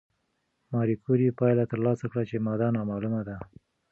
ماري کوري پایله ترلاسه کړه چې ماده نامعلومه ده.